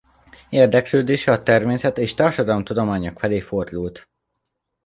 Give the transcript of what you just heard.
Érdeklődése a természet- és társadalomtudományok felé fordult.